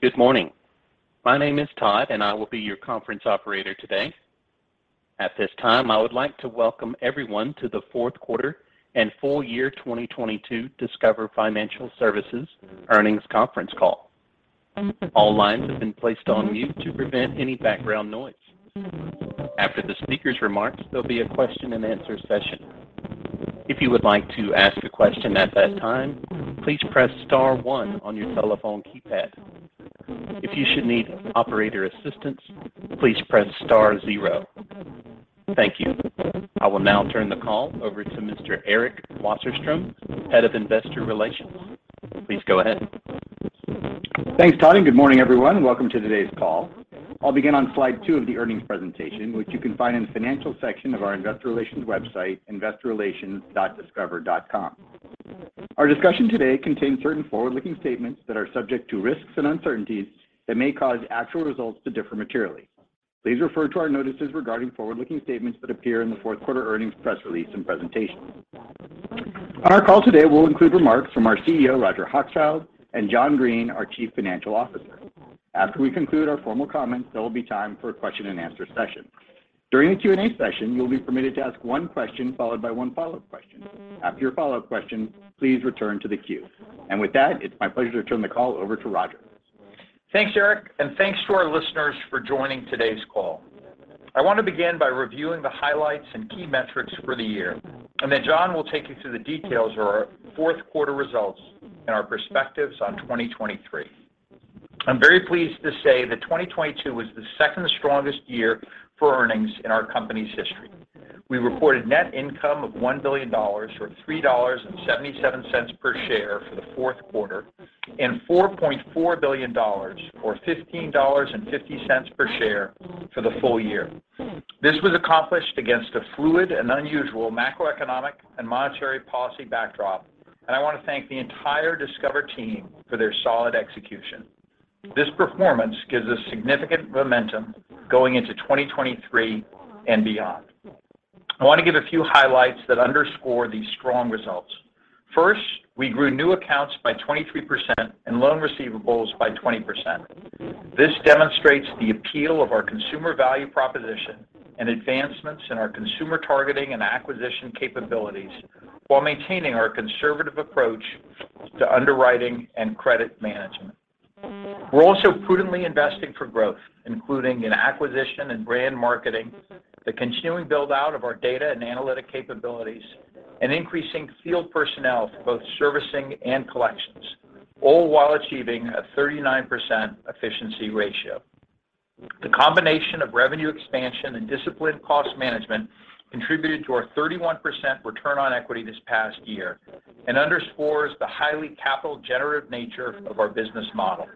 Good morning. My name is Todd. I will be your conference operator today. At this time, I would like to welcome everyone to The Fourth Quarter and Full Year 2022 Discover Financial Services Earnings Conference Call. All lines have been placed on mute to prevent any background noise. After the speaker's remarks, there'll be a question and answer session. If you would like to ask a question at that time, please press star one on your telephone keypad. If you should need operator assistance, please press star zero. Thank you. I will now turn the call over to Mr. Eric Wasserstrom, Head of Investor Relations. Please go ahead. Thanks, Todd. Good morning, everyone. Welcome to today's call. I'll begin on slide 2 of the earnings presentation, which you can find in the financial section of our investor relations website, investorrelations.discover.com. Our discussion today contains certain forward-looking statements that are subject to risks and uncertainties that may cause actual results to differ materially. Please refer to our notices regarding forward-looking statements that appear in the fourth quarter earnings press release and presentation. On our call today, we'll include remarks from our CEO, Roger Hochschild, and John Greene, our Chief Financial Officer. After we conclude our formal comments, there will be time for a question and answer session. During the Q&A session, you'll be permitted to ask one question followed by one follow-up question. After your follow-up question, please return to the queue. With that, it's my pleasure to turn the call over to Roger. Thanks, Eric. Thanks to our listeners for joining today's call. I want to begin by reviewing the highlights and key metrics for the year, and then John will take you through the details of our fourth quarter results and our perspectives on 2023. I'm very pleased to say that 2022 was the second strongest year for earnings in our company's history. We reported net income of $1 billion or $3.77 per share for the fourth quarter and $4.4 billion or $15.50 per share for the full year. This was accomplished against a fluid and unusual macroeconomic and monetary policy backdrop. I want to thank the entire Discover team for their solid execution. This performance gives us significant momentum going into 2023 and beyond. I want to give a few highlights that underscore these strong results. First, we grew new accounts by 23% and loan receivables by 20%. This demonstrates the appeal of our consumer value proposition and advancements in our consumer targeting and acquisition capabilities while maintaining our conservative approach to underwriting and credit management. We're also prudently investing for growth, including an acquisition and brand marketing, the continuing build-out of our data and analytic capabilities, and increasing field personnel for both servicing and collections, all while achieving a 39% efficiency ratio. The combination of revenue expansion and disciplined cost management contributed to our 31% return on equity this past year and underscores the highly capital-generative nature of our business model.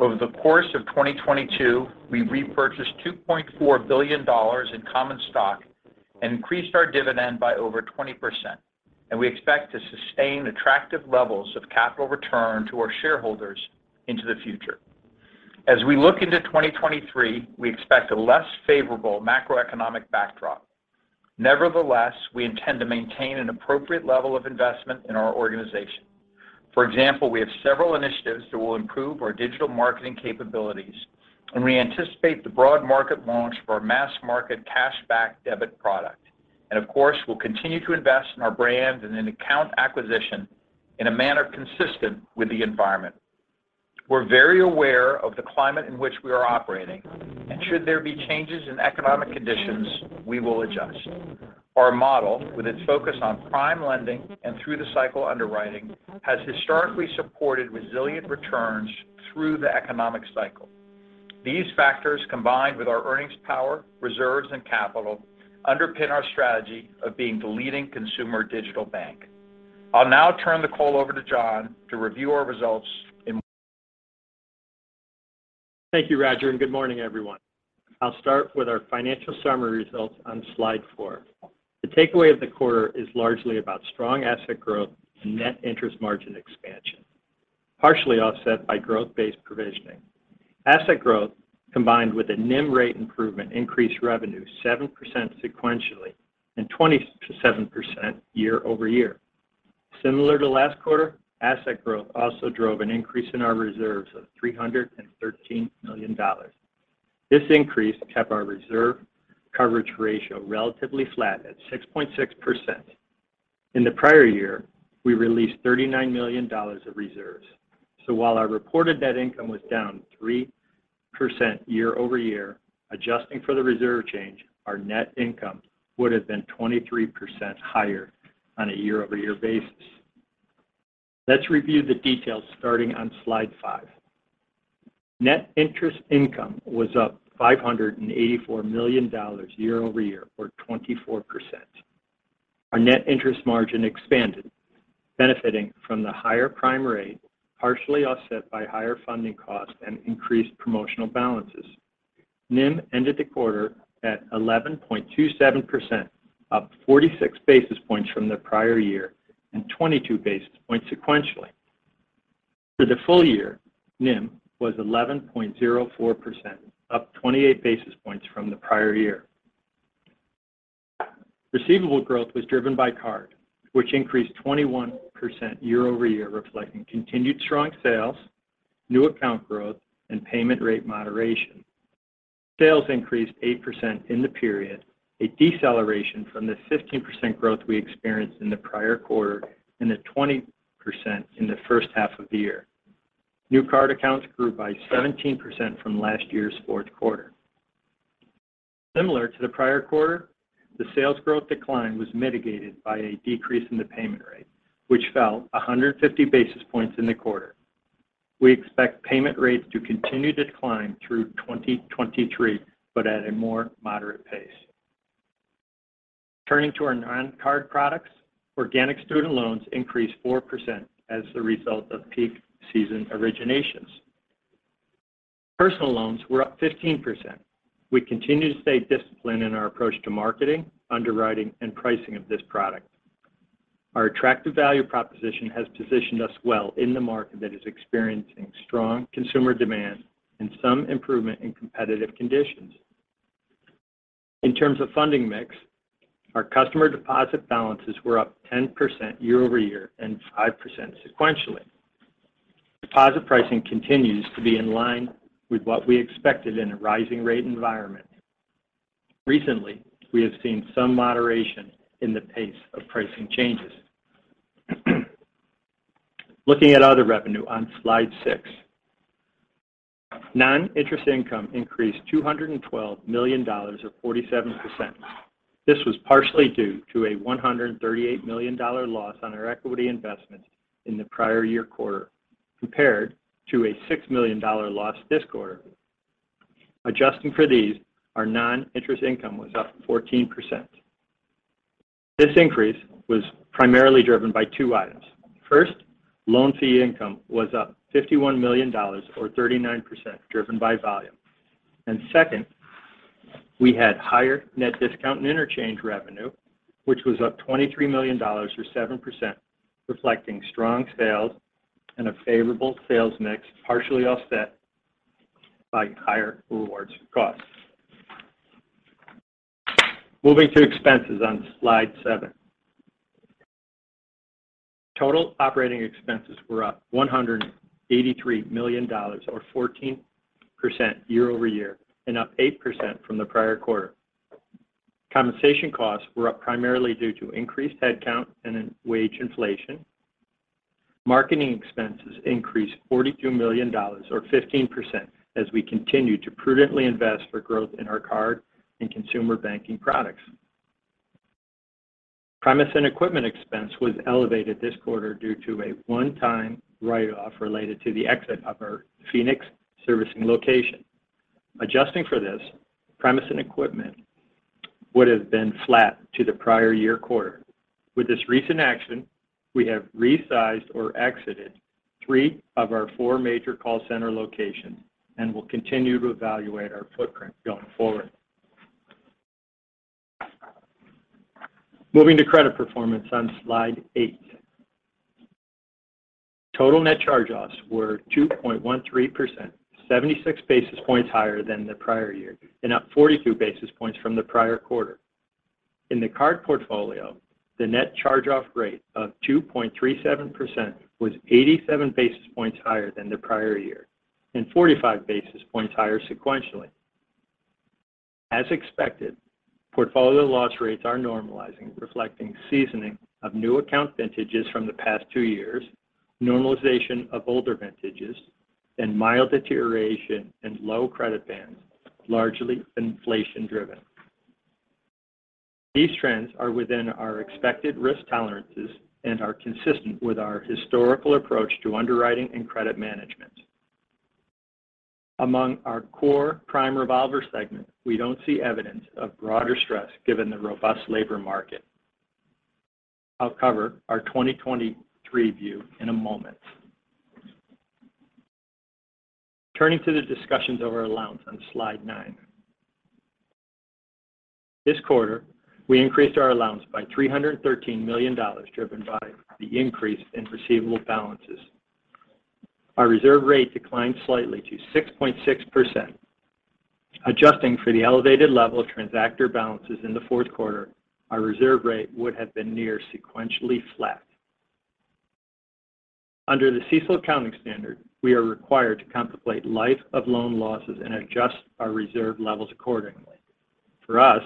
Over the course of 2022, we repurchased $2.4 billion in common stock, increased our dividend by over 20%, we expect to sustain attractive levels of capital return to our shareholders into the future. As we look into 2023, we expect a less favorable macroeconomic backdrop. Nevertheless, we intend to maintain an appropriate level of investment in our organization. For example, we have several initiatives that will improve our digital marketing capabilities, we anticipate the broad market launch for our mass market Cashback Debit product. Of course, we'll continue to invest in our brand and in account acquisition in a manner consistent with the environment. We're very aware of the climate in which we are operating, should there be changes in economic conditions, we will adjust. Our model, with its focus on prime lending and through the cycle underwriting, has historically supported resilient returns through the economic cycle. These factors, combined with our earnings power, reserves, and capital, underpin our strategy of being the leading consumer digital bank. I'll now turn the call over to John to review our results. Thank you, Roger, and good morning, everyone. I'll start with our financial summary results on slide four. The takeaway of the quarter is largely about strong asset growth and net interest margin expansion, partially offset by growth-based provisioning. Asset growth combined with a NIM rate improvement increased revenue 7% sequentially and 27% year-over-year. Similar to last quarter, asset growth also drove an increase in our reserves of $313 million. This increase kept our reserve coverage ratio relatively flat at 6.6%. In the prior year, I released $39 million of reserves. While our reported net income was down 3% year-over-year, adjusting for the reserve change, our net income would have been 23% higher on a year-over-year basis. Let's review the details starting on slide five. Net interest income was up $584 million year-over-year, or 24%. Our net interest margin expanded, benefiting from the higher prime rate, partially offset by higher funding costs and increased promotional balances. NIM ended the quarter at 11.27%, up 46 basis points from the prior year and 22 basis points sequentially. For the full year, NIM was 11.04%, up 28 basis points from the prior year. Receivable growth was driven by card, which increased 21% year-over-year, reflecting continued strong sales, new account growth, and payment rate moderation. Sales increased 8% in the period, a deceleration from the 15% growth we experienced in the prior quarter and the 20% in the first half of the year. New card accounts grew by 17% from last year's fourth quarter. Similar to the prior quarter, the sales growth decline was mitigated by a decrease in the payment rate, which fell 150 basis points in the quarter. We expect payment rates to continue to decline through 2023, but at a more moderate pace. Turning to our non-card products, organic student loans increased 4% as the result of peak season originations. Personal loans were up 15%. We continue to stay disciplined in our approach to marketing, underwriting, and pricing of this product. Our attractive value proposition has positioned us well in the market that is experiencing strong consumer demand and some improvement in competitive conditions. In terms of funding mix, our customer deposit balances were up 10% year-over-year and 5% sequentially. Deposit pricing continues to be in line with what we expected in a rising rate environment. Recently, we have seen some moderation in the pace of pricing changes. Looking at other revenue on slide six. Non-interest income increased $212 million, or 47%. This was partially due to a $138 million loss on our equity investment in the prior year quarter compared to a $6 million loss this quarter. Adjusting for these, our non-interest income was up 14%. This increase was primarily driven by two items. First, loan fee income was up $51 million, or 39%, driven by volume. Second, we had higher net discount and interchange revenue which was up $23 million or 7%, reflecting strong sales and a favorable sales mix partially offset by higher rewards costs. Moving to expenses on slide seven. Total operating expenses were up $183 million or 14% year-over-year and up 8% from the prior quarter. Compensation costs were up primarily due to increased headcount and wage inflation. Marketing expenses increased $42 million or 15% as we continue to prudently invest for growth in our card and consumer banking products. Premise and equipment expense was elevated this quarter due to a one-time write-off related to the exit of our Phoenix servicing location. Adjusting for this, premise and equipment would have been flat to the prior year quarter. With this recent action, we have resized or exited three of our four major call center locations and will continue to evaluate our footprint going forward. Moving to credit performance on slide eight. Total net charge-offs were 2.13%, 76 basis points higher than the prior year and up 42 basis points from the prior quarter. In the card portfolio, the net charge-off rate of 2.37% was 87 basis points higher than the prior year and 45 basis points higher sequentially. As expected, portfolio loss rates are normalizing, reflecting seasoning of new account vintages from the past two years, normalization of older vintages and mild deterioration in low credit bands, largely inflation-driven. These trends are within our expected risk tolerances and are consistent with our historical approach to underwriting and credit management. Among our core prime revolver segment, we don't see evidence of broader stress given the robust labor market. I'll cover our 2023 view in a moment. Turning to the discussions over allowance on slide nine. This quarter, we increased our allowance by $313 million, driven by the increase in receivable balances. Our reserve rate declined slightly to 6.6%. Adjusting for the elevated level of transactor balances in the fourth quarter, our reserve rate would have been near sequentially flat. Under the CECL accounting standard, we are required to contemplate life of loan losses and adjust our reserve levels accordingly. For us,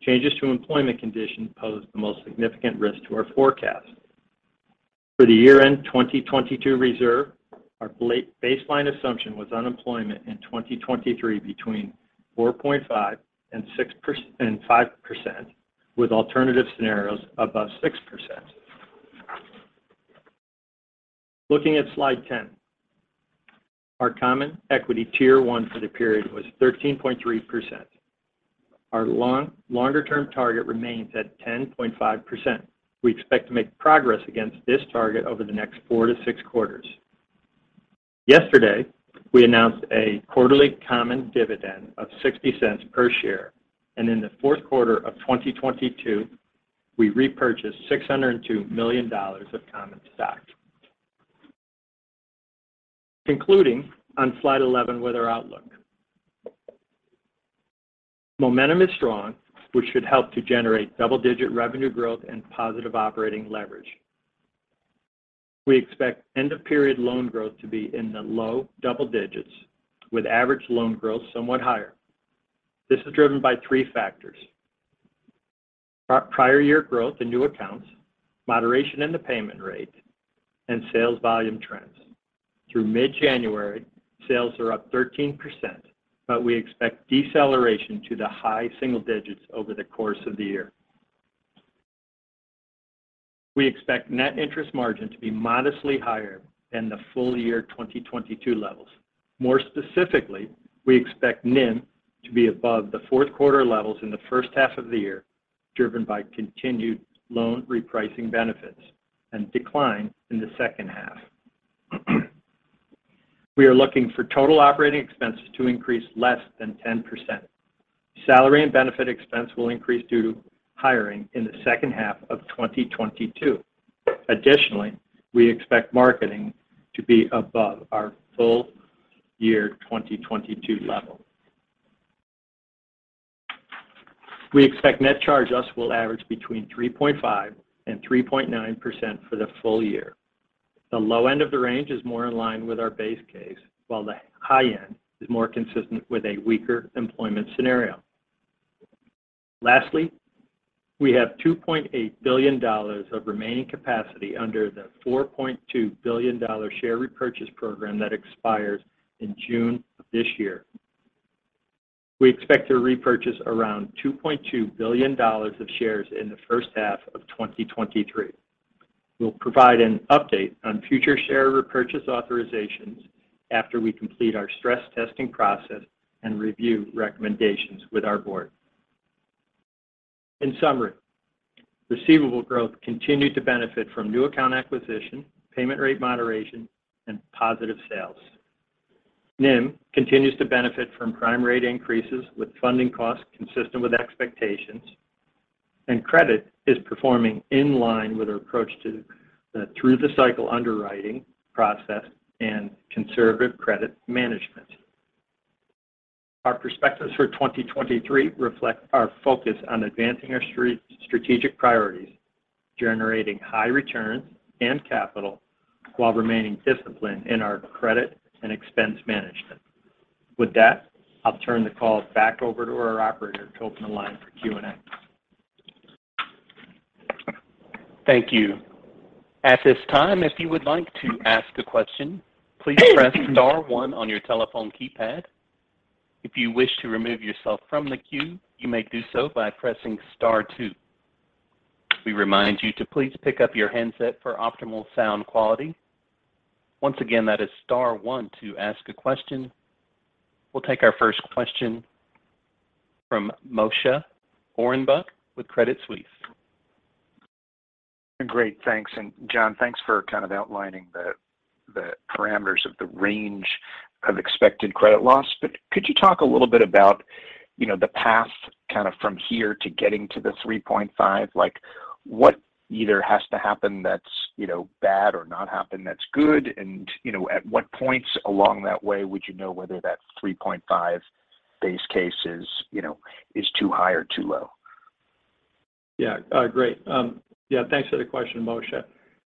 changes to employment conditions pose the most significant risk to our forecast. For the year-end 2022 reserve, our baseline assumption was unemployment in 2023 between 4.5% and 5%, with alternative scenarios above 6%. Looking at slide 10. Our Common Equity Tier 1 for the period was 13.3%. Our longer-term target remains at 10.5%. We expect to make progress against this target over the next four to six quarters. Yesterday, we announced a quarterly common dividend of $0.60 per share, and in the fourth quarter of 2022, we repurchased $602 million of common stock. Concluding on slide 11 with our outlook. Momentum is strong, which should help to generate double-digit revenue growth and positive operating leverage. We expect end of period loan growth to be in the low double digits with average loan growth somewhat higher. This is driven by three factors. Prior year growth in new accounts, moderation in the payment rate, and sales volume trends. Through mid-January, sales are up 13%, but we expect deceleration to the high single digits over the course of the year. We expect net interest margin to be modestly higher than the full year 2022 levels. More specifically, we expect NIM to be above the fourth quarter levels in the first half of the year, driven by continued loan repricing benefits and decline in the second half. We are looking for total operating expenses to increase less than 10%. Salary and benefit expense will increase due to hiring in the second half of 2022. Additionally, we expect marketing to be above our full year 2022 level. We expect net charge-offs will average between 3.5% and 3.9% for the full year. The low end of the range is more in line with our base case, while the high end is more consistent with a weaker employment scenario. Lastly, we have $2.8 billion of remaining capacity under the $4.2 billion share repurchase program that expires in June of this year. We expect to repurchase around $2.2 billion of shares in the first half of 2023. We'll provide an update on future share repurchase authorizations after we complete our stress testing process and review recommendations with our board. In summary, receivable growth continued to benefit from new account acquisition, payment rate moderation, and positive sales. NIM continues to benefit from prime rate increases with funding costs consistent with expectations. Credit is performing in line with our approach to the through the cycle underwriting process and conservative credit management. Our perspectives for 2023 reflect our focus on advancing our strategic priorities, generating high returns and capital while remaining disciplined in our credit and expense management. With that, I'll turn the call back over to our operator to open the line for Q&A. Thank you. At this time, if you would like to ask a question, please press star one on your telephone keypad. If you wish to remove yourself from the queue, you may do so by pressing star two. We remind you to please pick up your handset for optimal sound quality. Once again, that is star one to ask a question. We'll take our first question from Moshe Orenbuch with Credit Suisse. Great. Thanks. John, thanks for kind of outlining the parameters of the range of expected credit loss. Could you talk a little bit about the path kind of from here to getting to the 3.5? Like, what either has to happen that's, you know, bad or not happen that's good? You know, at what points along that way would you know whether that 3.5 base case is, you know, is too high or too low? Yeah. Great. Yeah, thanks for the question, Moshe.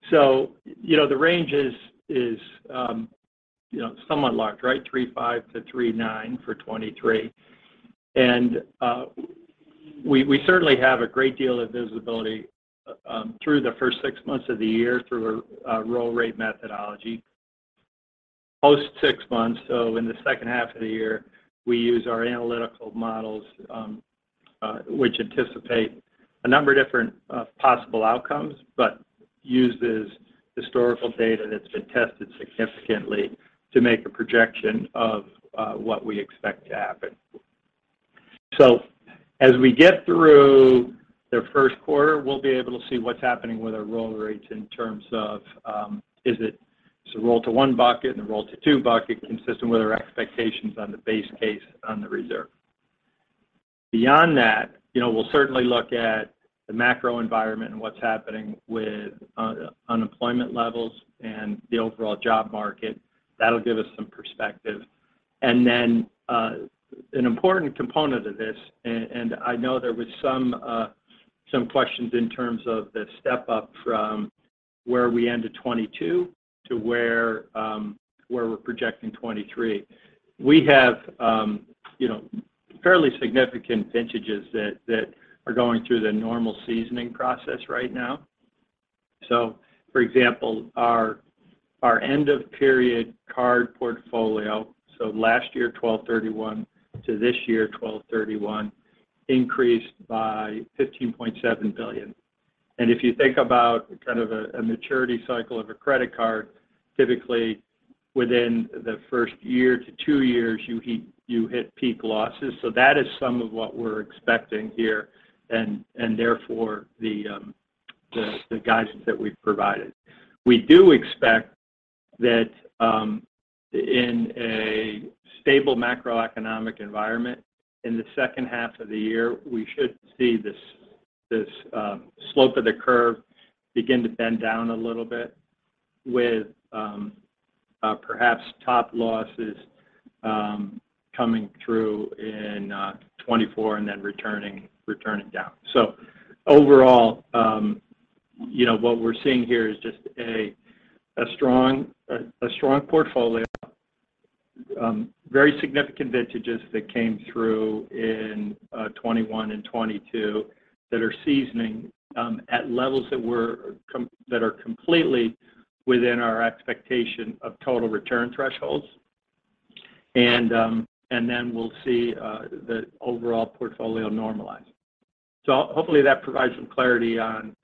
You know, the range is, you know, somewhat locked, right? 3.5%-3.9% for 2023. We certainly have a great deal of visibility through the first six months of the year through a roll rate methodology. Post 6 months, so in the second half of the year, we use our analytical models, which anticipate a number of different possible outcomes, but use the historical data that's been tested significantly to make a projection of what we expect to happen. As we get through the frst quarter, we'll be able to see what's happening with our roll rates in terms of, does it roll to one bucket and then roll to two bucket consistent with our expectations on the base case on the reserve. Beyond that, you know, we'll certainly look at the macro environment and what's happening with unemployment levels and the overall job market. That'll give us some perspective. An important component of this, I know there was some questions in terms of the step-up from where we ended 2022 to where we're projecting 2023. We have, you know, fairly significant vintages that are going through the normal seasoning process right now. For example, our end of period card portfolio, last year, 12/31 to this year, 12/31, increased by $15.7 billion. If you think about kind of a maturity cycle of a credit card, typically within the first year to two years, you hit peak losses. That is some of what we're expecting here and therefore the guidance that we've provided. We do expect that in a stable macroeconomic environment in the second half of the year, we should see this slope of the curve begin to bend down a little bit with perhaps top losses coming through in 2024 and then returning down. Overall, you know, what we're seeing here is just a strong, a strong portfolio. Very significant vintages that came through in 2021 and 2022 that are seasoning at levels that are completely within our expectation of total return thresholds. Then we'll see the overall portfolio normalize. Hopefully, that provides some clarity on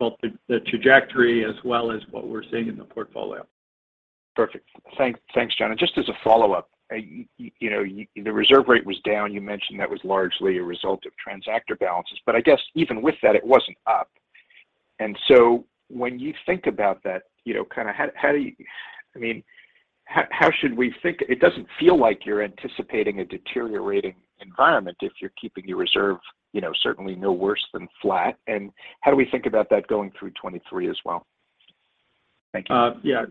both the trajectory as well as what we're seeing in the portfolio. Perfect. Thanks, John. Just as a follow-up, you know, the reserve rate was down. You mentioned that was largely a result of transactor balances, but I guess even with that, it wasn't up. When you think about that, you know, kind of how do you. I mean, how should we think? It doesn't feel like you're anticipating a deteriorating environment if you're keeping your reserve, you know, certainly no worse than flat. How do we think about that going through 2023 as well? Thank you. Yeah.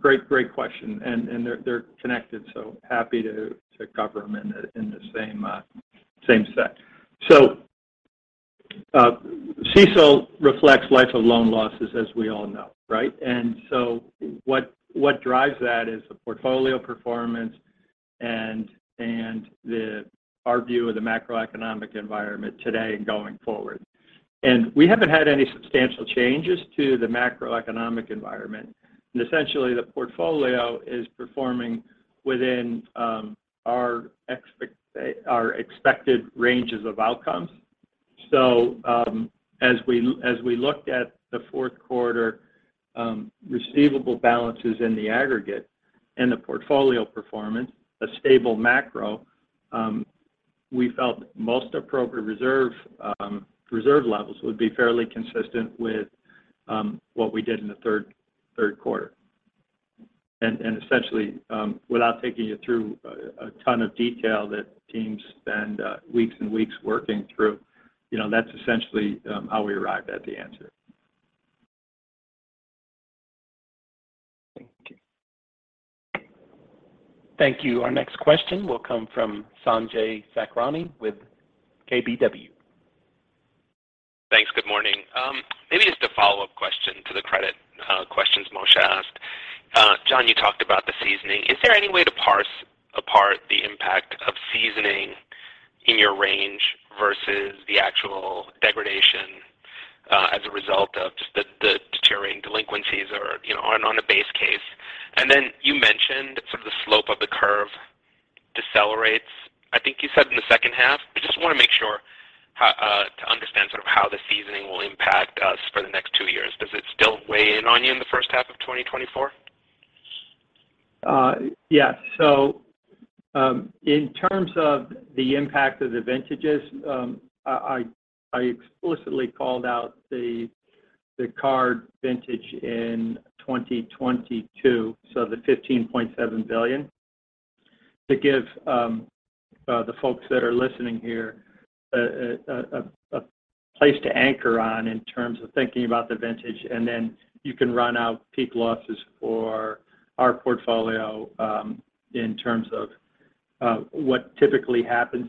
great question. They're connected, so happy to cover them in the same set. CECL reflects life of loan losses, as we all know, right? what drives that is the portfolio performance and our view of the macroeconomic environment today and going forward. We haven't had any substantial changes to the macroeconomic environment. Essentially, the portfolio is performing within our expected ranges of outcomes. as we looked at the fourth quarter, receivable balances in the aggregate and the portfolio performance, a stable macro, we felt most appropriate reserve levels would be fairly consistent with what we did in the third quarter. Essentially, without taking you through a ton of detail that teams spend, weeks and weeks working through, you know, that's essentially, how we arrived at the answer. Thank you. Thank you. Our next question will come from Sanjay Sakhrani with KBW. Thanks. Good morning. Maybe just a follow-up question to the credit questions Moshe asked. John, you talked about the seasoning. Is there any way to parse apart the impact of seasoning in your range versus the actual degradation as a result of just the deteriorating delinquencies or, you know, on a base case? Then you mentioned sort of the slope of the curve decelerates, I think you said in the second half. I just want to make sure how to understand sort of how the seasoning will impact us for the next two years. Does it still weigh in on you in the first half of 2024? Yeah. In terms of the impact of the vintages, I explicitly called out the card vintage in 2022, so the $15.7 billion, to give the folks that are listening here a place to anchor on in terms of thinking about the vintage. You can run out peak losses for our portfolio in terms of what typically happens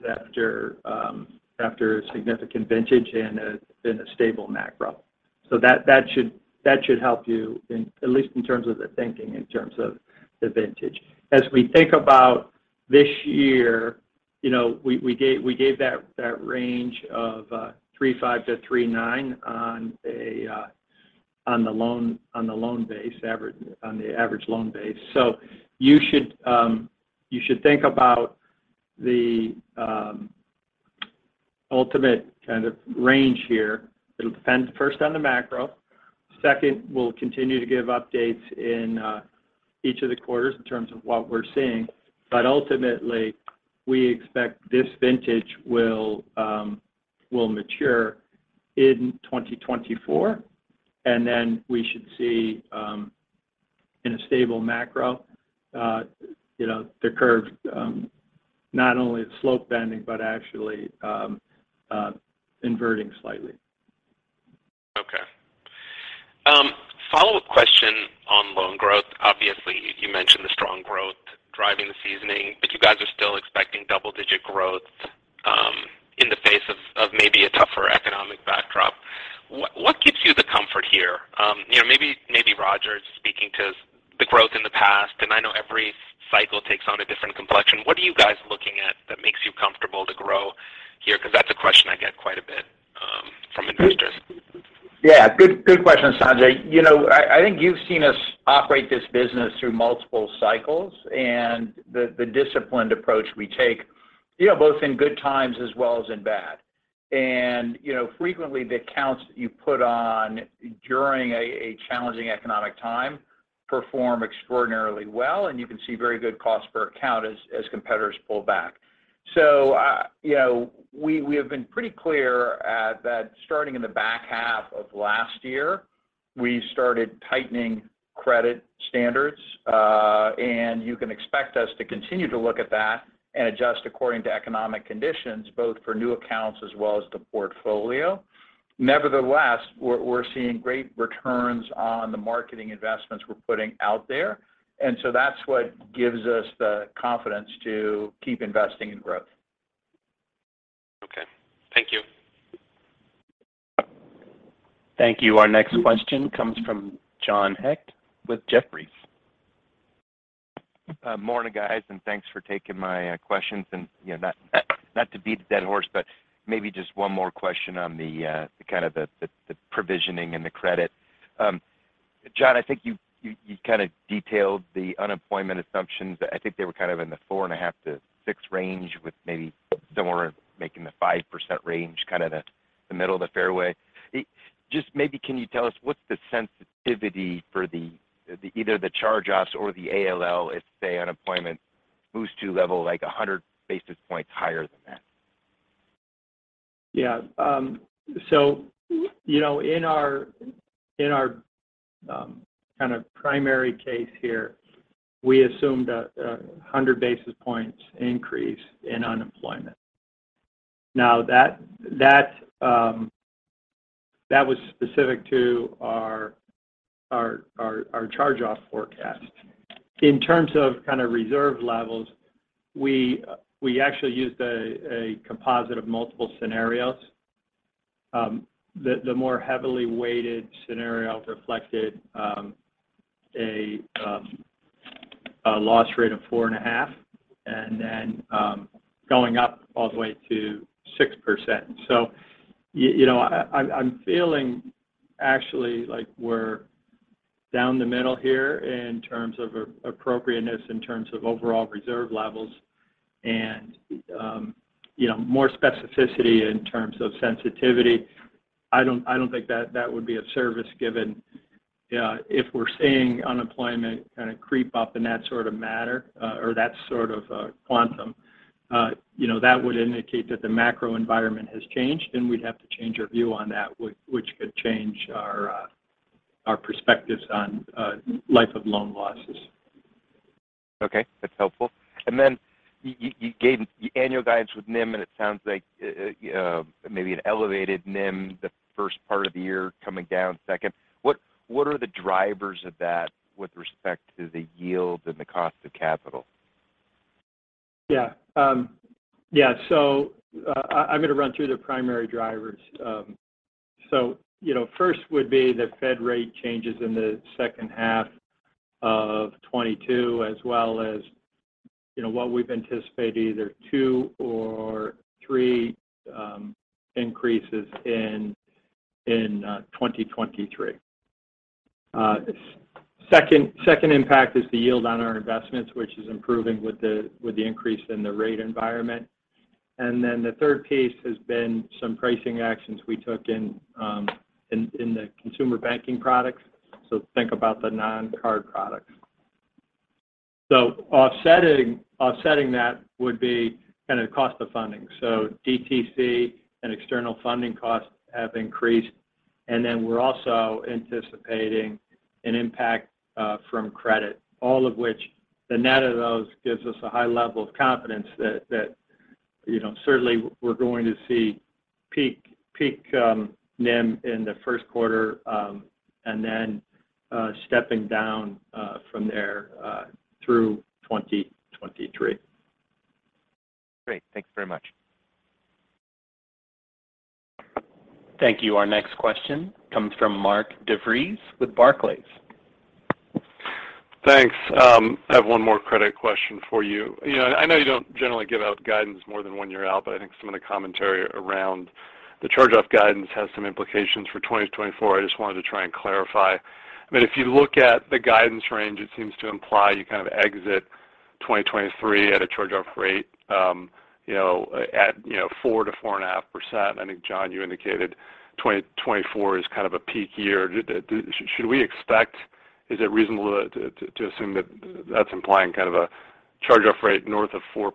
after a significant vintage in a stable macro. That should help you in, at least in terms of the thinking, in terms of the vintage. As we think about this year, you know, we gave that range of 3.5% to 3.9% on the average loan base. You should think about the ultimate kind of range here. It'll depend first on the macro. Second, we'll continue to give updates in each of the quarters in terms of what we're seeing. Ultimately, we expect this vintage will mature in 2024. We should see, in a stable macro, you know, the curve not only the slope bending, but actually inverting slightly. Okay. Follow-up question on loan growth. Obviously, you mentioned the strong growth driving the seasoning, you guys are still expecting double-digit growth in the face of maybe a tougher economic backdrop. What gives you the comfort here? You know, maybe Roger speaking to the growth in the past, and I know every cycle takes on a different complexion. What are you guys looking at that makes you comfortable to grow here? That's a question I get quite a bit from investors. Yeah. Good, good question, Sanjay. You know, I think you've seen us operate this business through multiple cycles and the disciplined approach we take both in good times as well as in bad. You know, frequently the accounts that you put on during a challenging economic time perform extraordinarily well, and you can see very good cost per account as competitors pull back. You know, we have been pretty clear at that starting in the back half of last year, we started tightening credit standards, and you can expect us to continue to look at that and adjust according to economic conditions, both for new accounts as well as the portfolio. Nevertheless, we're seeing great returns on the marketing investments we're putting out there. That's what gives us the confidence to keep investing in growth. Okay. Thank you. Thank you. Our next question comes from John Hecht with Jefferies. Morning, guys, and thanks for taking my questions. You know, not to beat a dead horse, but maybe just one more question on the kind of the provisioning and the credit. John, I think you kind of detailed the unemployment assumptions. I think they were kind of in the 4.5%-6% range with maybe somewhere making the 5% range, kind of the middle of the fairway. Just maybe can you tell us what's the sensitivity for the either the charge-offs or the ALL if, say, unemployment moves to a level like 100 basis points higher than that? Yeah. You know, in our kind of primary case here, we assumed 100 basis points increase in unemployment. Now that was specific to our charge-off forecast. In terms of kind of reserve levels, we actually used a composite of multiple scenarios. The more heavily weighted scenario reflected a loss rate of 4.5%, and then going up all the way to 6%. You know, I'm feeling actually like we're down the middle here in terms of appropriateness, in terms of overall reserve levels and more specificity in terms of sensitivity. I don't think that would be of service given, if we're seeing unemployment kind of creep up in that sort of manner, or that sort of, quantum, you know, that would indicate that the macro environment has changed, and we'd have to change our view on that which could change our perspectives on, life of loan losses. Okay. That's helpful. Then you gave annual guidance with NIM and it sounds like maybe an elevated NIM the first part of the year coming down second. What are the drivers of that with respect to the yield and the cost of capital? Yeah. Yeah. I'm going to run through the primary drivers. you know, first would be the Fed rate changes in the second half of 2022 as well as, you know, what we've anticipated either two or three increases in 2023. Second impact is the yield on our investments, which is improving with the increase in the rate environment. The third piece has been some pricing actions we took in the consumer banking products. Think about the non-card products. Offsetting that would be kind of cost of funding. DTC and external funding costs have increased, and then we're also anticipating an impact from credit, all of which the net of those gives us a high level of confidence that, you know, certainly we're going to see peak NIM in the first quarter, and then stepping down from there through 2023. Great. Thanks very much. Thank you. Our next question comes from Mark DeVries with Barclays. Thanks. I have one more credit question for you. I know you don't generally give out guidance more than one year out, but I think some of the commentary around the charge-off guidance has some implications for 2024. I just wanted to try and clarify. I mean, if you look at the guidance range, it seems to imply you kind of exit 2023 at a charge-off rate, at 4% to 4.5%. I think, John, you indicated 2024 is kind of a peak year. Should we expect Is it reasonable to assume that that's implying kind of a charge-off rate north of 4%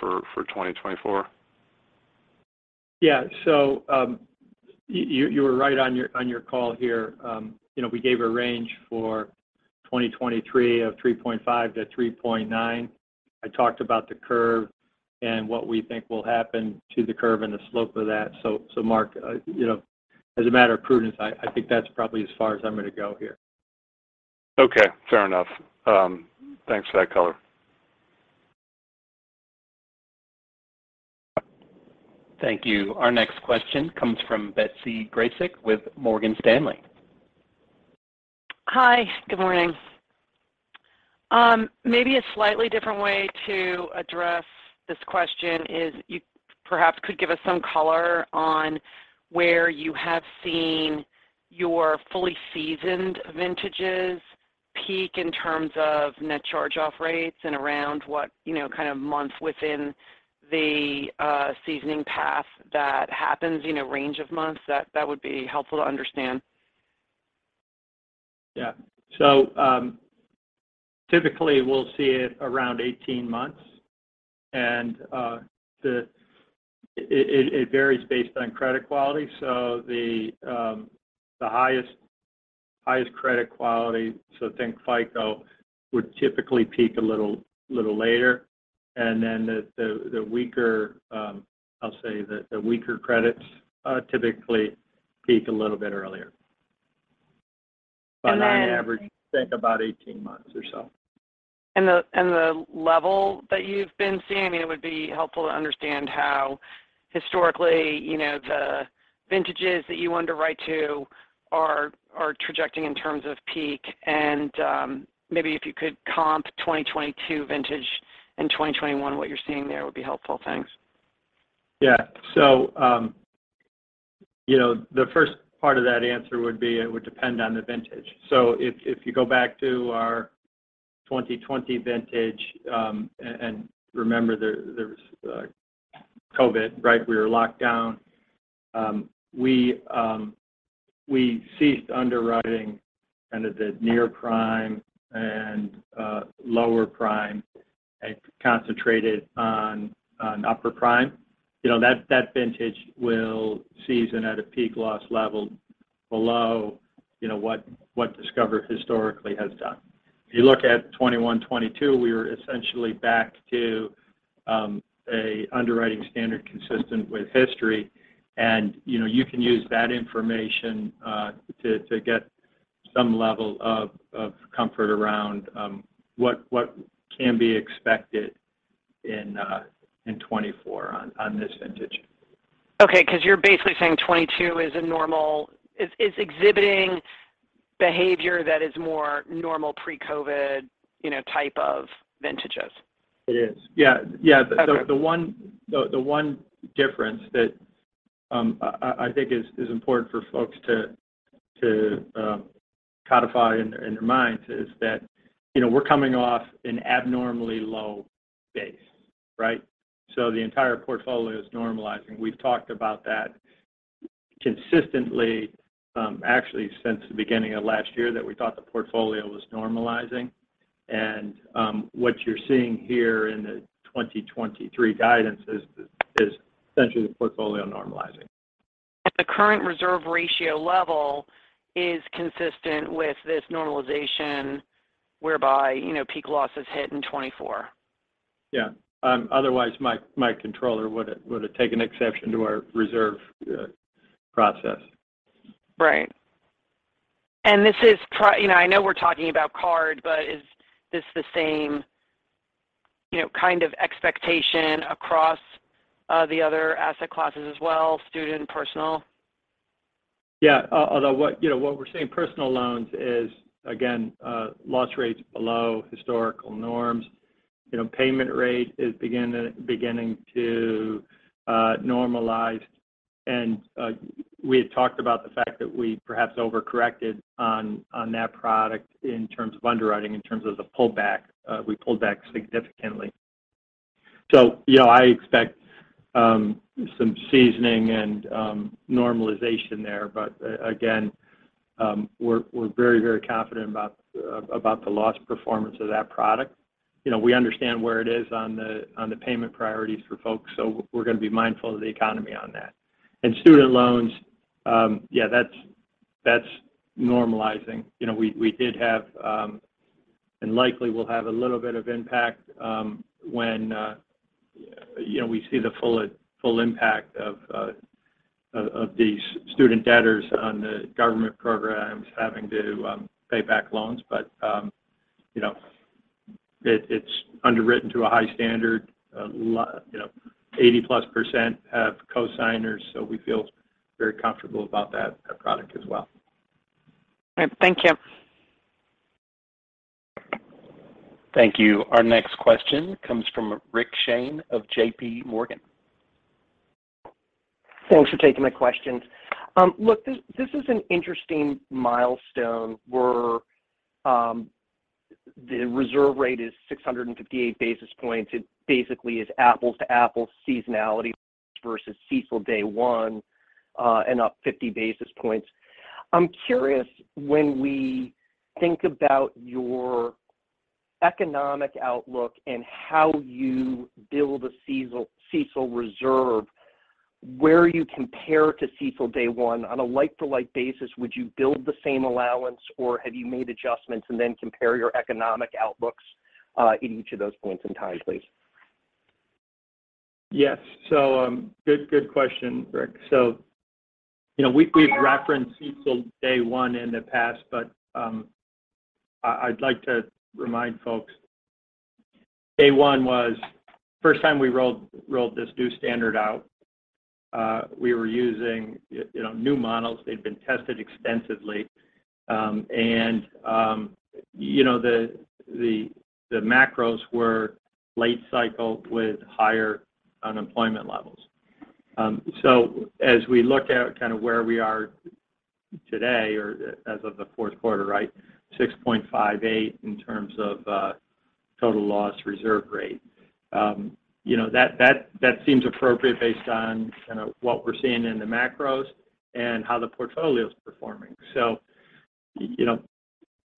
for 2024? You were right on your call here. You know, we gave a range for 2023 of 3.5%-3.9%. I talked about the curve and what we think will happen to the curve and the slope of that. Mark, you know, as a matter of prudence, I think that's probably as far as I'm going to go here. Okay. Fair enough. Thanks for that color. Thank you. Our next question comes from Betsy Graseck with Morgan Stanley. Hi. Good morning. Maybe a slightly different way to address this question is you perhaps could give us some color on where you have seen your fully seasoned vintages peak in terms of net charge-off rates and around what, you know, kind of month within the seasoning path that happens range of months. That would be helpful to understand. Yeah. Typically, we'll see it around 18 months, and it varies based on credit quality. The highest credit quality, so think FICO, would typically peak a little later. The weaker, I'll say the weaker credits, typically peak a little bit earlier. And then- On average, think about 18 months or so. The level that you've been seeing, I mean, it would be helpful to understand how historically, you know, the vintages that you underwrite to are trajecting in terms of peak. Maybe if you could comp 2022 vintage and 2021, what you're seeing there would be helpful. Thanks. Yeah. You know, the first part of that answer would be it would depend on the vintage. If you go back to our 2020 vintage, and remember there was COVID, right? We were locked down. We ceased underwriting kind of the near prime and lower prime and concentrated on upper prime. You know, that vintage will season at a peak loss level below, you know, what Discover historically has done. If you look at 2021, 2022, we were essentially back to a underwriting standard consistent with history. You know, you can use that information to get some level of comfort around what can be expected in 2024 on this vintage. 'Cause you're basically saying 2022 is exhibiting behavior that is more normal pre-COVID, you know, type of vintages. It is. Yeah. Yeah. Okay. The one difference that I think is important for folks to codify in their minds is that, you know, we're coming off an abnormally low base, right? The entire portfolio is normalizing. We've talked about that consistently, actually since the beginning of last year that we thought the portfolio was normalizing. What you're seeing here in the 2023 guidance is essentially the portfolio normalizing. the current reserve ratio level is consistent with this normalization whereby, you know, peak losses hit in 2024. Yeah. Otherwise my controller would have taken exception to our reserve process. Right. I know we're talking about card, but is this the same, you know, kind of expectation across the other asset classes as well, student, personal? Yeah. Although what we're seeing personal loans is again, loss rates below historical norms. You know, payment rate is beginning to normalize. We had talked about the fact that we perhaps overcorrected on that product in terms of underwriting, in terms of the pullback. We pulled back significantly. You know, I expect some seasoning and normalization there. Again, we're very confident about the loss performance of that product. You know, we understand where it is on the payment priorities for folks, so we're going to be mindful of the economy on that. Student loans, yeah, that's normalizing. You know, we did have, and likely will have a little bit of impact, when we see the full impact of these student debtors on the government programs having to, pay back loans. You know, it's underwritten to a high standard. You know, 80%+ have cosigners, so we feel very comfortable about that product as well. All right. Thank you. Thank you. Our next question comes from Richard Shane of JPMorgan. Thanks for taking my questions. Look, this is an interesting milestone where the reserve rate is 658 basis points. It basically is apples to apples seasonality versus CECL day one, and up 50 basis points. I'm curious when we think about your economic outlook and how you build a CECL reserve, where you compare to CECL day one on a like-for-like basis, would you build the same allowance, or have you made adjustments? Compare your economic outlooks in each of those points in time, please. Yes. Good question, Rick. You know, we've referenced CECL day one in the past, but I'd like to remind folks day one was first time we rolled this new standard out, you know, new models. They'd been tested extensively. The macros were late cycle with higher unemployment levels. As we look at kind of where we are today or as of the fourth quarter, right, 6.58% in terms of Total loss reserve rate. You know, that seems appropriate based on kind of what we're seeing in the macros and how the portfolio's performing. You know,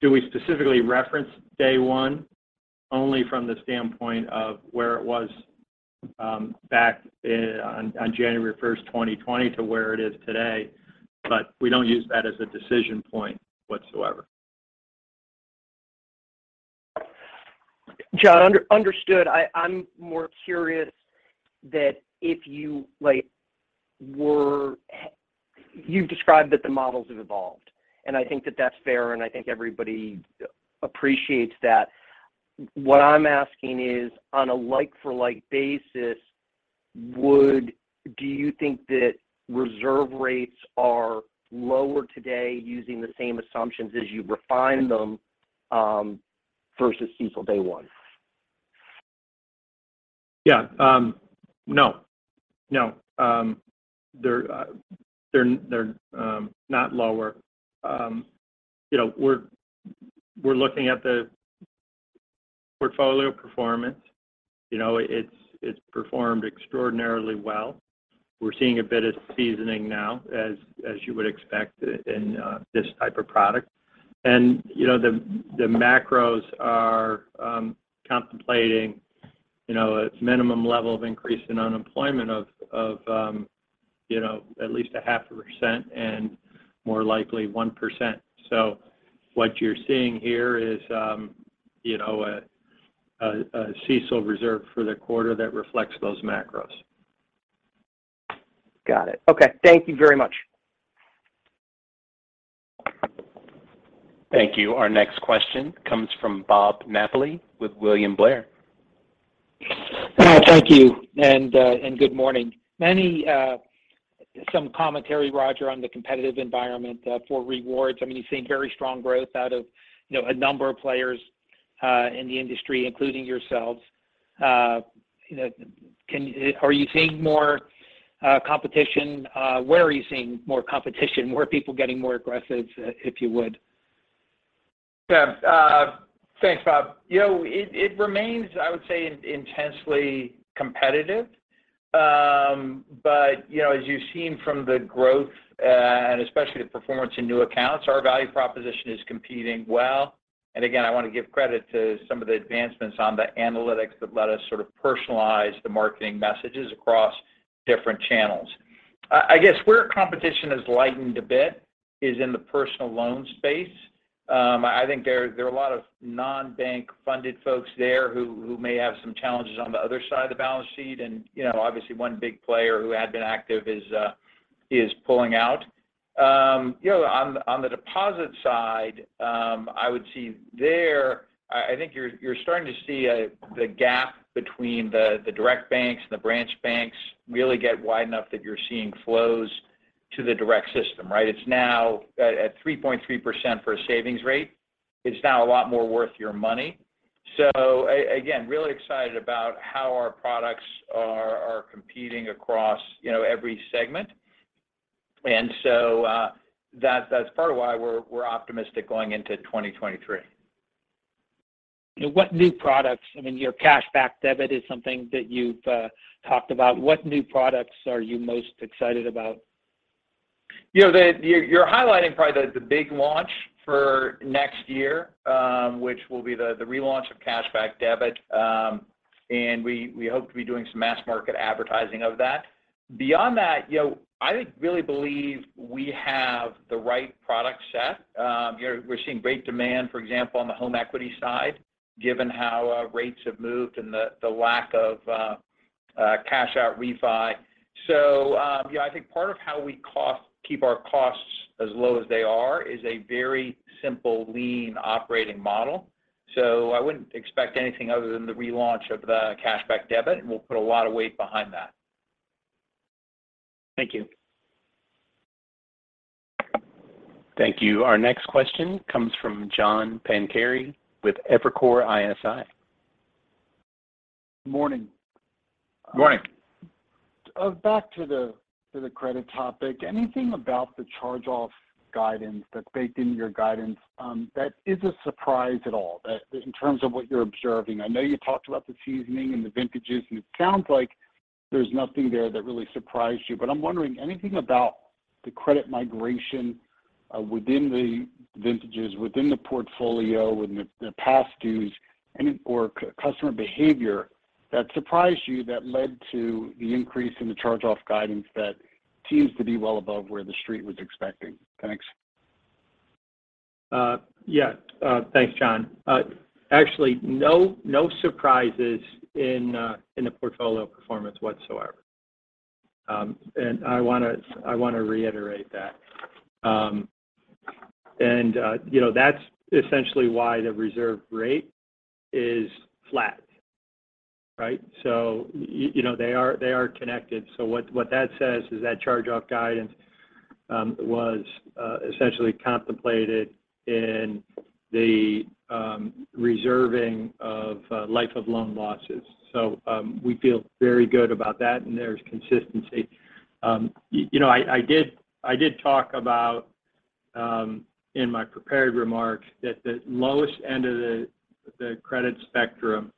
do we specifically reference day one? Only from the standpoint of where it was, on January 1st, 2020 to where it is today. We don't use that as a decision point whatsoever. John, understood. I'm more curious that if you, like, You've described that the models have evolved, and I think that that's fair, and I think everybody appreciates that. What I'm asking is, on a like-for-like basis, do you think that reserve rates are lower today using the same assumptions as you refined them, versus CECL day one? Yeah. No. They're not lower. We're looking at the portfolio performance. You know, it's performed extraordinarily well. We're seeing a bit of seasoning now, as you would expect in this type of product. You know, the macros are contemplating, you know, its minimum level of increase in unemployment of at least a half a percent and more likely 1%. What you're seeing here is, you know, a CECL reserve for the quarter that reflects those macros. Got it. Okay. Thank you very much. Thank you. Our next question comes from Robert Napoli with William Blair. Thank you. Good morning. Many, some commentary, Roger, on the competitive environment for rewards. I mean, you've seen very strong growth out of a number of players in the industry, including yourselves. You know, are you seeing more competition? Where are you seeing more competition? Where are people getting more aggressive, if you would? Thanks, Bob. You know, it remains, I would say, intensely competitive. You know, as you've seen from the growth, and especially the performance in new accounts, our value proposition is competing well. Again, I want to give credit to some of the advancements on the analytics that let us sort of personalize the marketing messages across different channels. I guess where competition has lightened a bit is in the personal loan space. I think there are a lot of non-bank funded folks there who may have some challenges on the other side of the balance sheet. You know, obviously one big player who had been active is pulling out. you know, on the deposit side, I think you're starting to see the gap between the direct banks and the branch banks really get wide enough that you're seeing flows to the direct system, right? It's now at 3.3% for a savings rate. It's now a lot more worth your money. Again, really excited about how our products are competing across every segment. That's part of why we're optimistic going into 2023. What new products, I mean, your Cashback Debit is something that you've talked about. What new products are you most excited about? You know, You're highlighting probably the big launch for next year, which will be the relaunch of Cashback Debit. We hope to be doing some mass market advertising of that. Beyond that, you know, I think really believe we have the right product set. You know, we're seeing great demand, for example, on the home equity side, given how rates have moved and the lack of cash out refi. I think part of how we keep our costs as low as they are is a very simple lean operating model. I wouldn't expect anything other than the relaunch of the Cashback Debit, and we'll put a lot of weight behind that. Thank you. Thank you. Our next question comes from John Pancari with Evercore ISI. Morning. Morning. Back to the credit topic, anything about the charge-off guidance that's baked into your guidance that is a surprise at all, in terms of what you're observing? I know you talked about the seasoning and the vintages, and it sounds like there's nothing there that really surprised you. I'm wondering, anything about the credit migration within the vintages, within the portfolio, and the past dues, or customer behavior that surprised you that led to the increase in the charge-off guidance that seems to be well above where the street was expecting? Thanks. Yeah. Thanks, John. Actually, no surprises in the portfolio performance whatsoever. I wanna reiterate that. You know, that's essentially why the reserve rate is flat, right? You know, they are connected. What that says is that charge-off guidance was essentially contemplated in the reserving of life of loan losses. We feel very good about that, and there's consistency. You know, I did talk about in my prepared remarks that the lowest end of the credit spectrum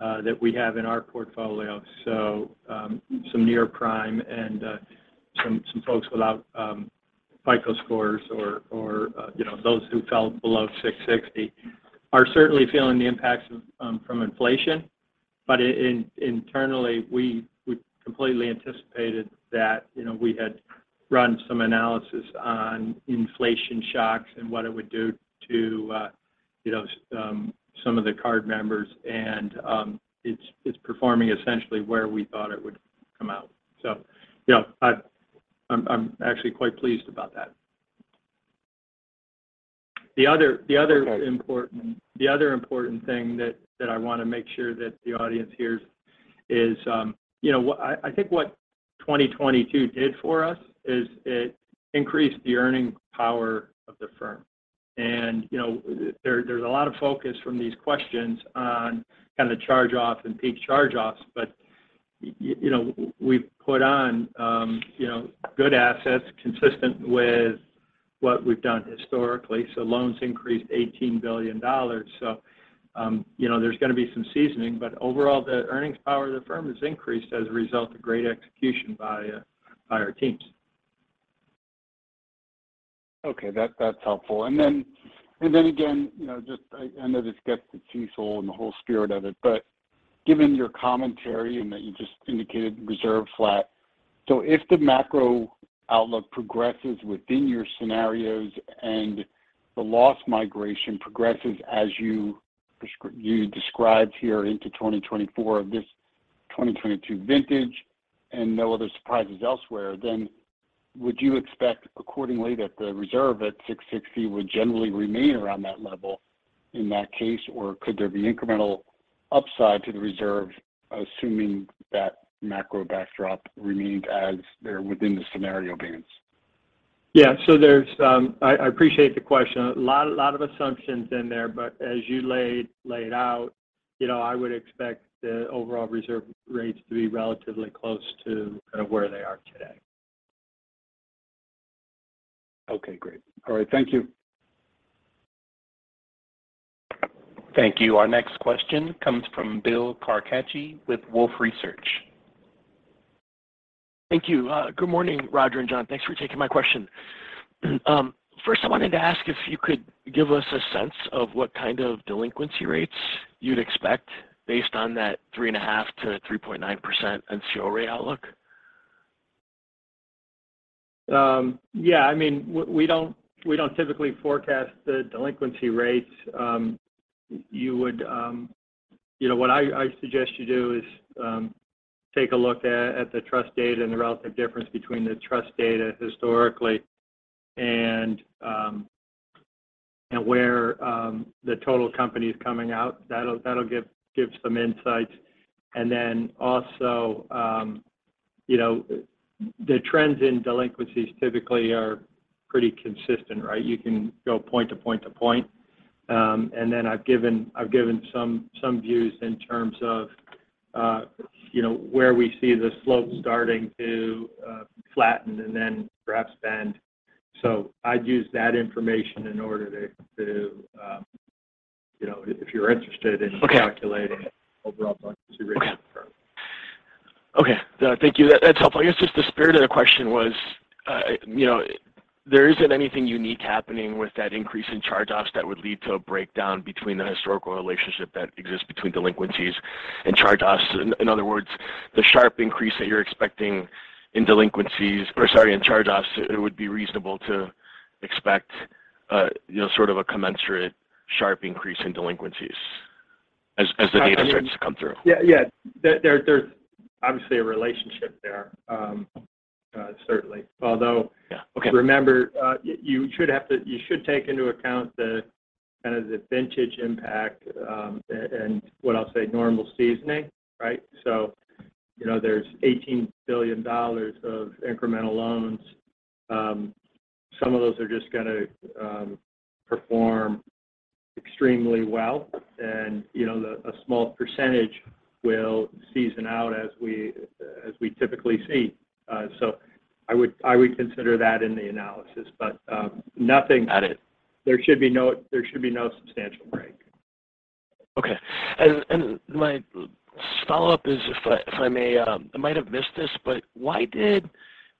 that we have in our portfolio, so some near prime and some folks without FICO scores or you know, those who fell below 660 are certainly feeling the impacts from inflation. In-internally, we completely anticipated that, you know, we had run some analysis on inflation shocks and what it would do to, you know, some of the card members and, it's performing essentially where we thought it would come out. I'm actually quite pleased about that. Okay important, the other important thing that I want to make sure that the audience hears is, you know, I think what 2022 did for us is it increased the earning power of the firm. You know, there's a lot of focus from these questions on kind of the charge-offs and peak charge-offs, but you know, we've put on, you know, good assets consistent with what we've done historically. Loans increased $18 billion. You know, there's going to be some seasoning, but overall, the earnings power of the firm has increased as a result of great execution by our teams. Okay. That's helpful. Then again, you know, just I know this gets to CECL and the whole spirit of it, given your commentary and that you just indicated reserve flat. If the macro outlook progresses within your scenarios and the loss migration progresses as you described here into 2024 of this 2022 vintage and no other surprises elsewhere, would you expect accordingly that the reserve at $660 would generally remain around that level in that case, or could there be incremental upside to the reserve, assuming that macro backdrop remained as there within the scenario bands? Yeah. I appreciate the question. A lot of assumptions in there, but as you laid out, you know, I would expect the overall reserve rates to be relatively close to kind of where they are today. Okay, great. All right. Thank you. Thank you. Our next question comes from Bill Carcache with Wolfe Research. Thank you. Good morning, Roger and John. Thanks for taking my question. First, I wanted to ask if you could give us a sense of what kind of delinquency rates you'd expect based on that 3.5%-3.9% NCO rate outlook. Yeah, I mean, we don't typically forecast the delinquency rates. You know, what I suggest you do is take a look at the trust data and the relative difference between the trust data historically and where the total company is coming out. That'll give some insights. Also, you know, the trends in delinquencies typically are pretty consistent, right? You can go point to point to point. I've given some views in terms of, you know, where we see the slope starting to flatten and then perhaps bend. I'd use that information in order to, you know, if you're interested in calculating overall delinquency rates. Okay. Okay. Thank you. That's helpful. I guess just the spirit of the question was, you know, there isn't anything unique happening with that increase in charge-offs that would lead to a breakdown between the historical relationship that exists between delinquencies and charge-offs. In other words, the sharp increase that you're expecting in charge-offs, it would be reasonable to expect, you know, sort of a commensurate sharp increase in delinquencies as the data starts to come through. Yeah. Yeah. There's obviously a relationship there. certainly. Yeah. Okay Remember, you should take into account the, kind of the vintage impact, and what I'll say normal seasoning, right. You know, there's $18 billion of incremental loans. Some of those are just gonna perform extremely well and, you know, a small percentage will season out as we, as we typically see. I would consider that in the analysis, but nothing. Got it. There should be no substantial break. Okay. My follow-up is if I may, I might have missed this, why did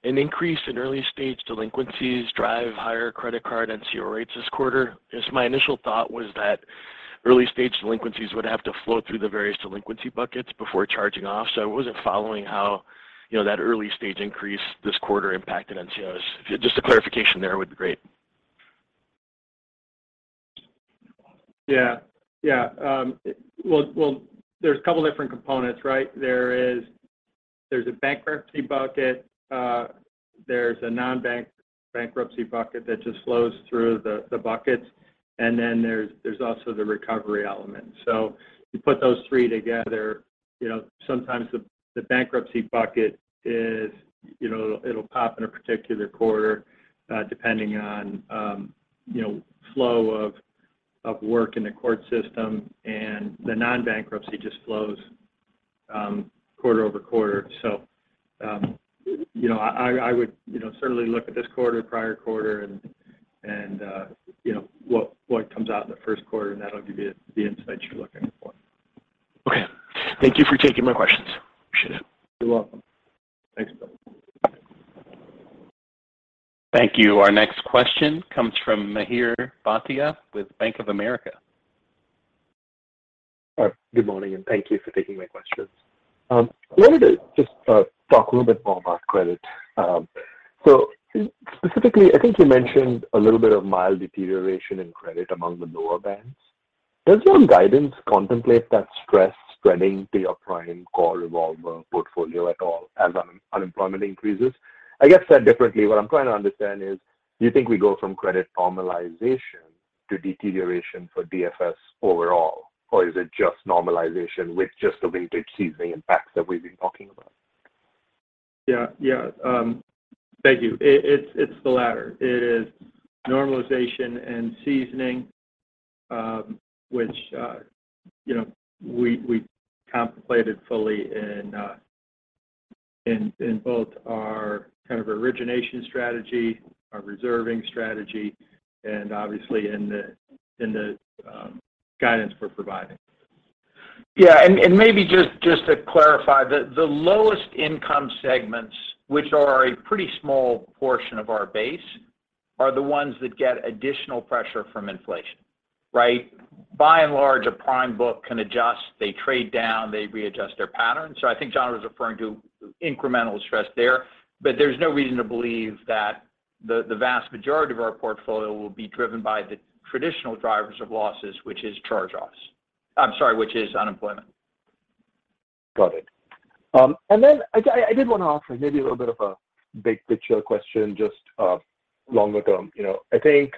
an increase in early-stage delinquencies drive higher credit card NCO rates this quarter? Just my initial thought was that early-stage delinquencies would have to flow through the various delinquency buckets before charging off. I wasn't following how, you know, that early-stage increase this quarter impacted NCOs. If just a clarification there would be great. Yeah. Yeah. Well, there's a couple different components, right? There's a bankruptcy bucket, there's a non-bank bankruptcy bucket that just flows through the buckets, and then there's also the recovery element. You put those three together, you know, sometimes the bankruptcy bucket is, you know, it'll pop in a particular quarter, depending on, you know, flow of work in the court system, and the non-bankruptcy just flows quarter-over-quarter. I would certainly look at this quarter, prior quarter and, you know, what comes out in the first quarter, and that'll give you the insight you're looking for. Okay. Thank you for taking my questions. Appreciate it. You're welcome. Thanks. Thank you. Our next question comes from Mihir Bhatia with Bank of America. All right. Good morning. Thank you for taking my questions. I wanted to just talk a little bit more about credit. Specifically, I think you mentioned a little bit of mild deterioration in credit among the lower bands. Does your guidance contemplate that stress spreading to your prime core revolver portfolio at all as unemployment increases? I guess said differently, what I'm trying to understand is, do you think we go from credit normalization to deterioration for DFS overall, or is it just normalization with just the vintage seasoning impacts that we've been talking about? Yeah. Thank you. It's the latter. It is normalization and seasoning, which, you know, we contemplated fully in both our kind of origination strategy, our reserving strategy, and obviously in the guidance we're providing. Yeah. And maybe just to clarify, the lowest income segments, which are a pretty small portion of our base, are the ones that get additional pressure from inflation, right? By and large, a prime book can adjust. They trade down. They readjust their pattern. I think John was referring to incremental stress there. There's no reason to believe that the vast majority of our portfolio will be driven by the traditional drivers of losses, which is charge-offs. I'm sorry, which is unemployment. Got it. I did want to ask maybe a little bit of a big-picture question, just longer term. You know, I think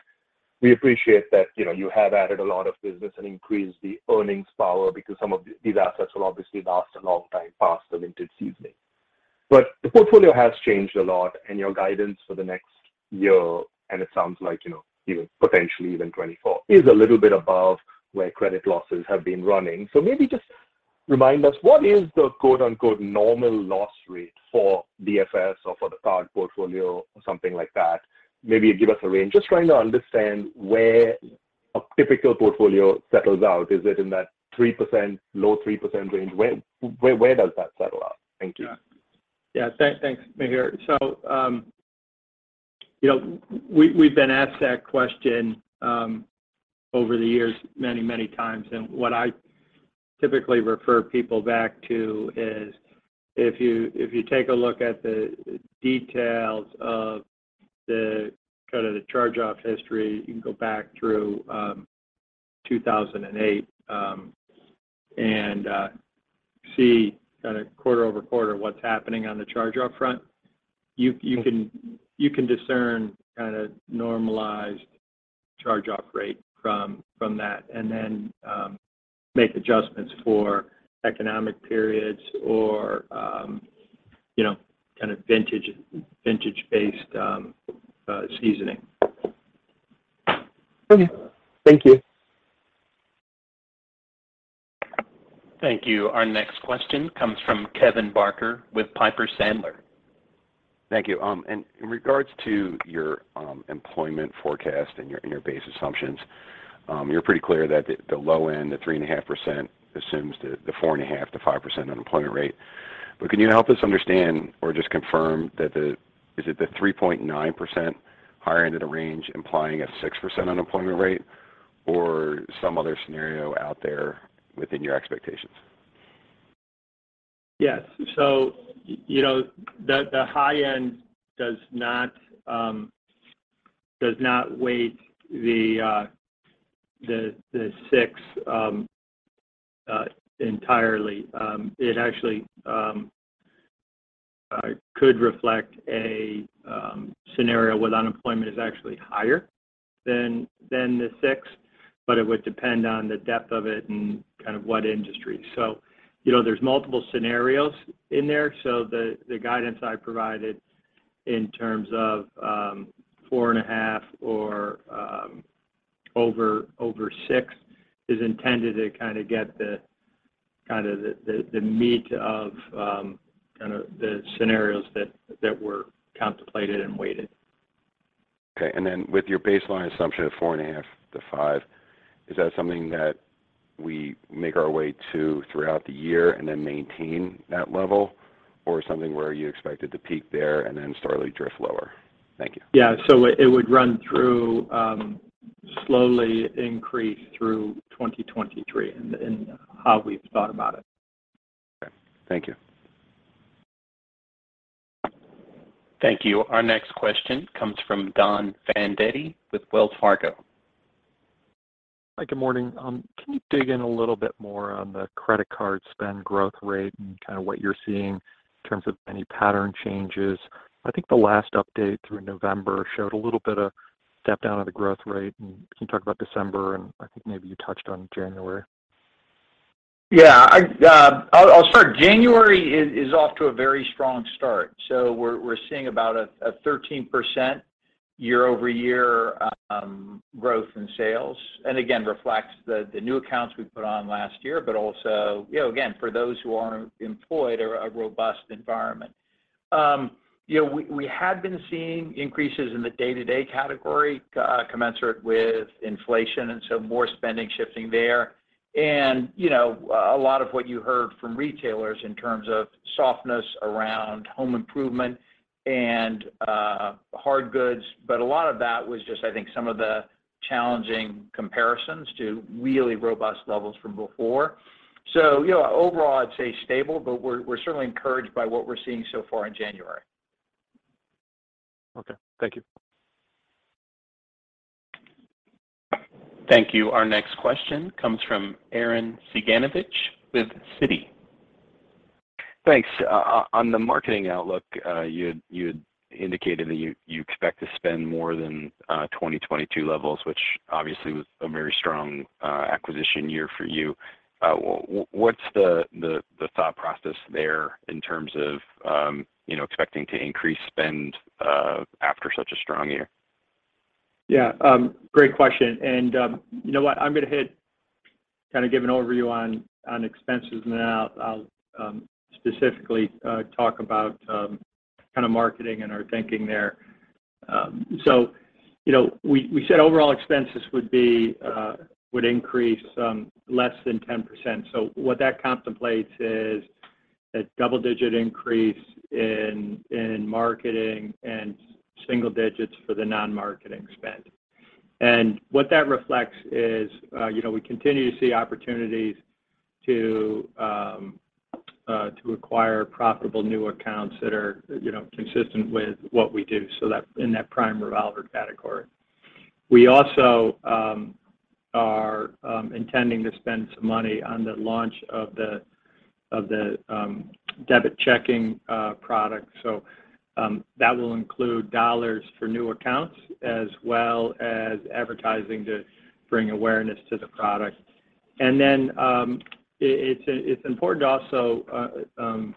we appreciate that, you know, you have added a lot of business and increased the earnings power because some of these assets will obviously last a long time past the vintage seasoning. The portfolio has changed a lot and your guidance for the next year, and it sounds like, you know, potentially even 2024, is a little bit above where credit losses have been running. Maybe just remind us what is the quote-unquote "normal loss rate" for DFS or for the card portfolio or something like that? Maybe give us a range. Just trying to understand where a typical portfolio settles out. Is it in that 3%, low 3% range? Where does that settle out? Thank you. Thanks, Mihir. We've been asked that question over the years many, many times. What I typically refer people back to is if you, if you take a look at the details of the kind of the charge-off history, you can go back through 2008 and see kind of quarter-over-quarter what's happening on the charge-off front. You can discern kind of normalized charge-off rate from that and then make adjustments for economic periods or, you know, kind of vintage-based seasoning. Okay. Thank you. Thank you. Our next question comes from Kevin Barker with Piper Sandler. Thank you. In regards to your employment forecast and your base assumptions, you're pretty clear that the low end, the 3.5% assumes the 4.5%-5% unemployment rate. Can you help us understand or just confirm? Is it the 3.9% higher end of the range implying a 6% unemployment rate or some other scenario out there within your expectations? Yes. You know, the high end does not weight the 6 entirely. It actually could reflect a scenario where unemployment is actually higher than the 6, but it would depend on the depth of it and kind of what industry. You know, there's multiple scenarios in there. The guidance I provided in terms of 4.5 or over six is intended to kind of get the meat of kind of the scenarios that were contemplated and weighted. Okay. With your baseline assumption of 4.5%-5%, is that something that we make our way to throughout the year and then maintain that level, or something where you expect it to peak there and then slowly drift lower? Thank you. Yeah. it would run through, slowly increase through 2023 in how we've thought about it. Okay. Thank you. Thank you. Our next question comes from Don Fandetti with Wells Fargo. Hi, good morning. Can you dig in a little bit more on the credit card spend growth rate and kind of what you're seeing in terms of any pattern changes? I think the last update through November showed a little bit of step down of the growth rate. Can you talk about December? I think maybe you touched on January. Yeah. I'll start. January is off to a very strong start. We're seeing about a 13% year-over-year growth in sales, and again, reflects the new accounts we put on last year, but also, you know, again, for those who aren't employed are a robust environment. You know, we had been seeing increases in the day-to-day category commensurate with inflation, and so more spending shifting there. You know, a lot of what you heard from retailers in terms of softness around home improvement and hard goods. A lot of that was just, I think, some of the challenging comparisons to really robust levels from before. You know, overall, I'd say stable, but we're certainly encouraged by what we're seeing so far in January. Okay. Thank you. Thank you. Our next question comes from Arren Cyganovich with Citi. Thanks. On the marketing outlook, you had indicated that you expect to spend more than 2022 levels, which obviously was a very strong acquisition year for you. What's the thought process there in terms of, you know, expecting to increase spend after such a strong year? Yeah, great question. You know what, I'm gonna kind of give an overview on expenses now. I'll specifically talk about kind of marketing and our thinking there. You know, we said overall expenses would be would increase less than 10%. What that contemplates is a double-digit increase in marketing and single digits for the non-marketing spend. What that reflects is, you know, we continue to see opportunities to acquire profitable new accounts that are, you know, consistent with what we do, in that prime revolver category. We also are intending to spend some money on the launch of the, of the debit checking product. That will include dollars for new accounts as well as advertising to bring awareness to the product. Then, it's important to also,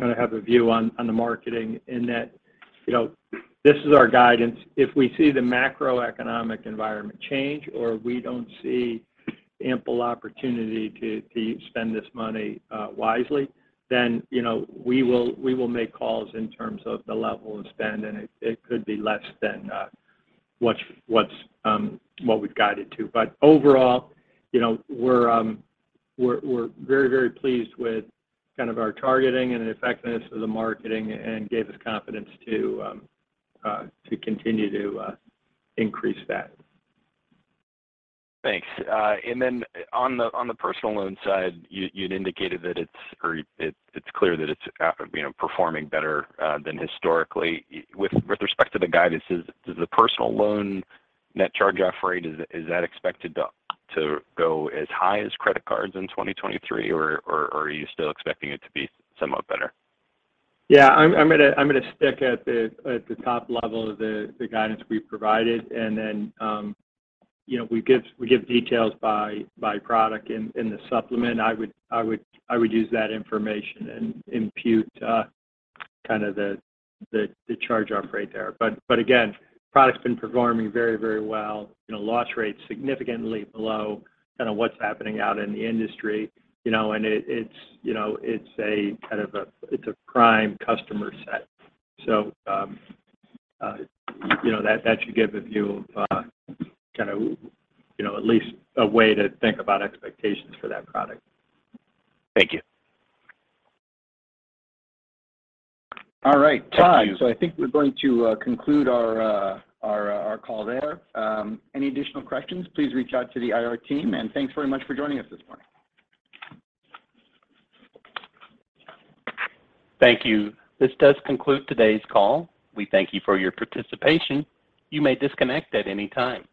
kind of have a view on the marketing in that, you know, this is our guidance. If we see the macroeconomic environment change or we don't see ample opportunity to spend this money wisely, then we will make calls in terms of the level of spend, and it could be less than what we've guided to. Overall, you know, we're very, very pleased with kind of our targeting and the effectiveness of the marketing and gave us confidence to continue to increase that. Thanks. On the personal loan side, you'd indicated that it's clear that it's, you know, performing better than historically. With respect to the guidance, does the personal loan net charge-off rate, is that expected to go as high as credit cards in 2023 or are you still expecting it to be somewhat better? I'm gonna stick at the top level of the guidance we provided. You know, we give details by product in the supplement. I would use that information and impute kind of the charge-off rate there. Again, product's been performing very well. You know, loss rates significantly below kind of what's happening out in the industry. It's a kind of a prime customer set. You know, that should give a view of kind of, you know, at least a way to think about expectations for that product. Thank you. All right. I think we're going to conclude our call there. Any additional questions, please reach out to the IR team, thanks very much for joining us this morning. Thank you. This does conclude today's call. We thank you for your participation. You may disconnect at any time.